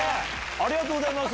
ありがとうございます。